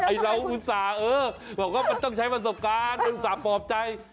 เราอุตส่าห์เออบอกว่ามันต้องใช้ประสบการณ์มันอุตส่าหลอบใจ